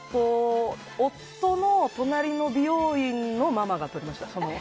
夫の隣の美容院のママが取りました。